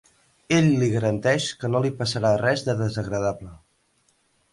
Ell li garanteix que no li passarà res de desagradable.